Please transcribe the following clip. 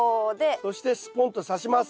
そしてスポンとさします。